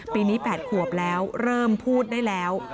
ปีนี้๘ขวบแล้วเริ่มพูดได้แล้ว